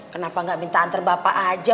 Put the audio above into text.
kenapa gak minta antar bapak aja